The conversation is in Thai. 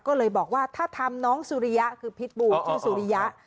ก็เลยบอกว่าถ้าทำน้องสุริยะคือพิษบูชื่อสุริยะ